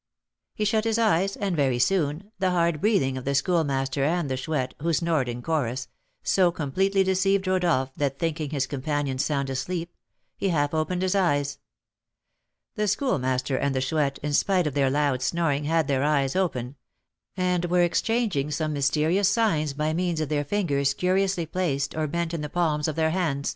He shut his eyes, and very soon the hard breathing of the Schoolmaster and the Chouette, who snored in chorus, so completely deceived Rodolph, that, thinking his companions sound asleep, he half opened his eyes. The Schoolmaster and the Chouette, in spite of their loud snoring, had their eyes open, and were exchanging some mysterious signs by means of their fingers curiously placed or bent in the palms of their hands.